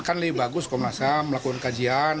kan lebih bagus komnas ham melakukan kajian